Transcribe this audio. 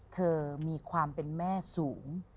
เธอมีความเป็นแม่สูง